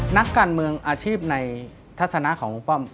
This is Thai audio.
นักการเมืองอาชีพในทัศนะของลุงป้อม